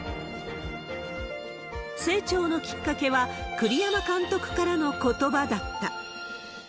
成長のきっかけは、栗山監督からのことばだった。